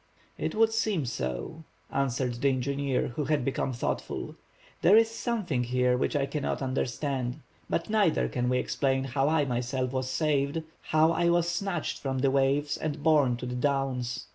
"It would seem so," answered the engineer, who had become thoughtful. "There is something here which I cannot understand. But neither can we explain how I myself was saved; how I was snatched from the waves and borne to the downs.